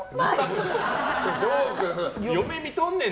嫁見とんねん！